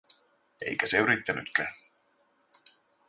Eikä se yrittänytkään.